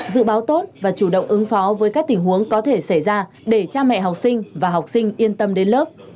dự báo tốt và chủ động ứng phó với các tình huống có thể xảy ra để cha mẹ học sinh và học sinh yên tâm đến lớp